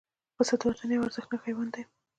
پسه د وطن یو ارزښتناک حیوان دی.